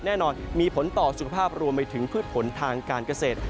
แน่นอนมีผลต่อสุขภาพรวมไปถึงพืชผลทางการเกษตร